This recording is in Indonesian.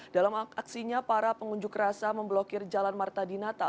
dalam aksinya para pengunjuk rasa memblokir jalan marta dinata